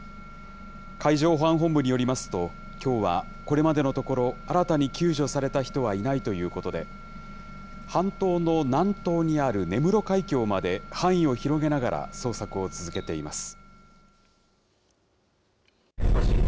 海上保安本部によりますと、きょうはこれまでのところ、新たに救助された人はいないということで、半島の南東にある根室海峡まで範囲を広げながら捜索を続けています。